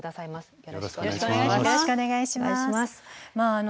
よろしくお願いします。